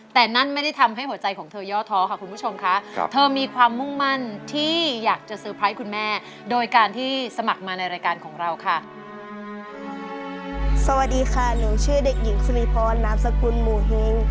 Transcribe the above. สวัสดีค่ะหนูชื่อเด็กหญิงสนิพรนามสกุลหมู่ฮิง